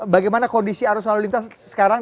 bagaimana kondisi arus lalu lintas sekarang